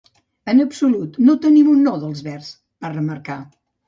En absolut no tenim un “no” dels Verds, va remarcar.